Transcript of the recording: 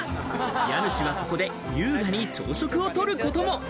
家主はここで優雅に朝食をとることも。